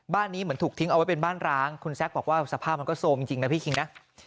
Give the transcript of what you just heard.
บ้านนี้เหมือนถูกทิ้งเอาไว้เป็นบ้านร้างคุณแซคบอกว่าสภาพมันก็โซมจริงนะพี่คิงนะ